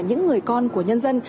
những người con của nhân dân